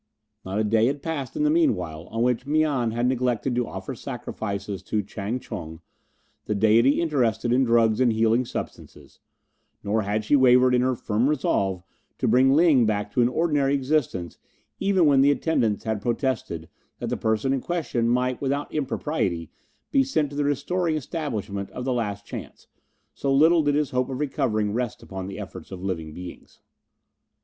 Not a day had passed in the meanwhile on which Mian had neglected to offer sacrifices to Chang Chung, the deity interested in drugs and healing substances, nor had she wavered in her firm resolve to bring Ling back to an ordinary existence even when the attendants had protested that the person in question might without impropriety be sent to the Restoring Establishment of the Last Chance, so little did his hope of recovering rest upon the efforts of living beings.